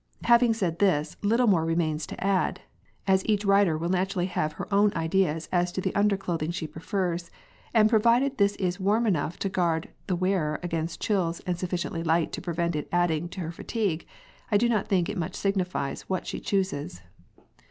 Having said this, little moreremains to add, as each rider will naturally have her own ideas as to the underclothing she prefers, and provided this is warm enough to guard the wearer against chills and sufficiently light to prevent it adding to her fatigue, I do not think it much signifies what she chooses.